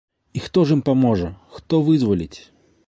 І хто ж ім паможа, хто вызваліць?